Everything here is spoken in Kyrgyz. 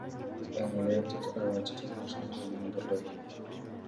Эң эле титулдашкан команда — Дордой.